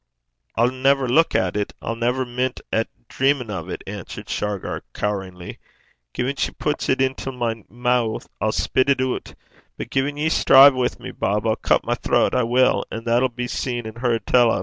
'I'll never luik at it; I'll never mint at dreamin' o' 't,' answered Shargar, coweringly. 'Gin she pits 't intil my moo', I'll spit it oot. But gin ye strive wi' me, Bob, I'll cut my throat I will; an' that'll be seen and heard tell o'.'